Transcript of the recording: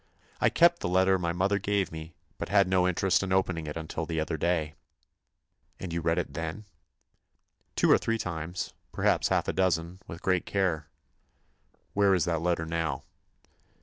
I kept the letter my mother gave me, but had no interest in opening it until the other day." "And you read it then?" "Two or three times—perhaps half a dozen—with great care." "Where is that letter now?"